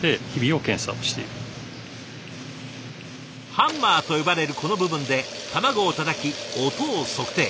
ハンマーと呼ばれるこの部分で卵をたたき音を測定。